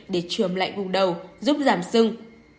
để trường lại vùng đầu giúp giảm sưng